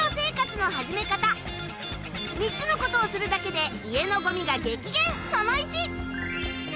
３つのことをするだけで家のゴミが激減。